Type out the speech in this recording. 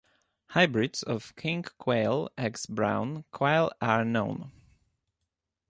Hybrids of king quail x brown quail are known.